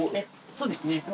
そうですね。